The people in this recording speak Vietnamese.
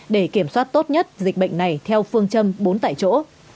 để kiểm soát tốt nhất dịch bệnh này theo phương châm bốn tại chỗ